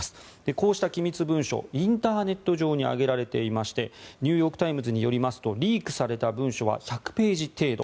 こうした機密文書はインターネット上に上げられていましてニューヨーク・タイムズによりますとリークされた文書は１００ページ程度。